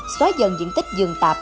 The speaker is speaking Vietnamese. xóa dần diện tích dường tạp